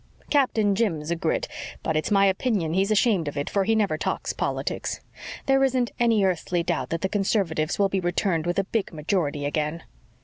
Captain Jim's a Grit, but it's my opinion he's ashamed of it, for he never talks politics. There isn't any earthly doubt that the Conservatives will be returned with a big majority again."